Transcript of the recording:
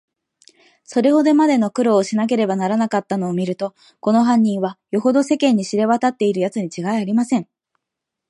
それほどまでの苦労をしなければならなかったのをみると、この犯人は、よほど世間に知れわたっているやつにちがいありません。